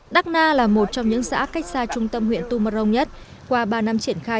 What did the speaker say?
đắc na là một trong những xã cách xa trung tâm huyện tumorong nhất qua ba năm triển khai